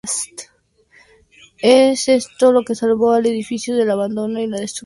Es esto lo que salvó al edificio del abandono y de la destrucción.